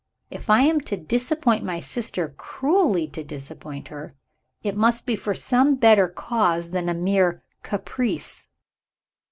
If I am to disappoint my sister cruelly to disappoint her it must be for some better cause than a mere caprice."